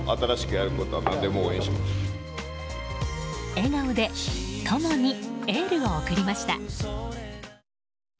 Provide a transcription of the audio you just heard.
笑顔で友にエールを送りました。